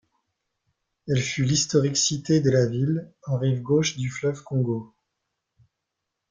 Elle fut l'historique cité de la ville, en rive gauche du fleuve Congo.